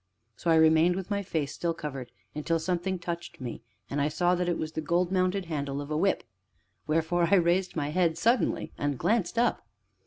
So I remained with my face still covered until something touched me, and I saw that it was the gold mounted handle of a whip, wherefore I raised my head suddenly and glanced up.